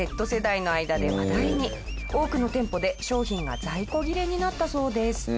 多くの店舗で商品が在庫切れになったそうです。